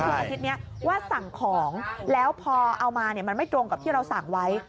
คืออาทิตย์นี้ว่าสั่งของแล้วพอเอามามันไม่ตรงกับที่เราสั่งไว้